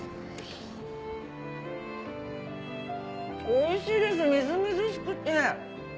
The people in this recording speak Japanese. おいしいですみずみずしくて。